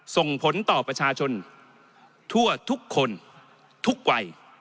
ส่งผลต่อประชาชนทั่วทุกคนทุกวัย